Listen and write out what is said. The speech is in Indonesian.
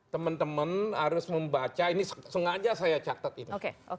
teman teman harus membaca ini sengaja saya catat ini